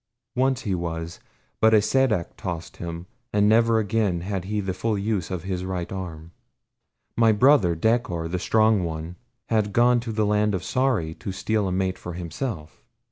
Once he was, but a sadok tossed him, and never again had he the full use of his right arm. My brother, Dacor the Strong One, had gone to the land of Sari to steal a mate for himself.